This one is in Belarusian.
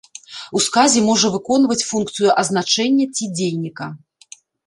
У сказе можа выконваць функцыю азначэння ці дзейніка.